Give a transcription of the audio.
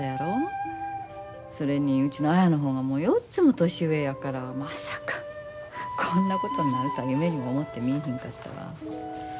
それにうちの綾の方が４つも年上やからまさかこんなことになるとは夢にも思ってみいひんかったわ。